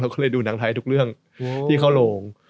เขาก็เลยดูหนังไทยทุกเรื่องที่เข้าโรง